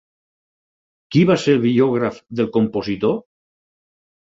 Qui va ser el biògraf del compositor?